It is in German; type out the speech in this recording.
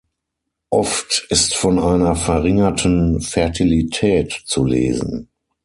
Oft ist von einer verringerten Fertilität zu lesen.